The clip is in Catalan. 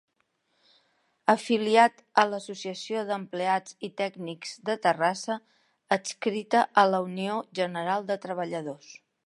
Afiliat a l'Associació d'Empleats i Tècnics de Terrassa, adscrita a la Unió General de Treballadors.